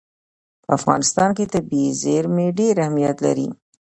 په افغانستان کې طبیعي زیرمې ډېر اهمیت لري.